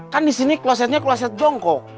kan disini klosetnya kloset jongkok